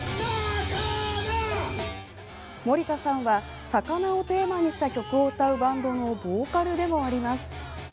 森田さんは魚をテーマにした曲を歌うバンドのボーカルでもあります。